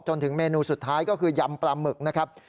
จนถึงเมนูสุดท้ายก็คือยำปลาหมึกนะครับ